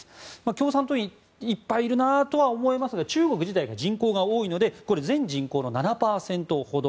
共産党員、いっぱいいるなとは思いますが中国自体が人口が多いので全人口の７％ほど。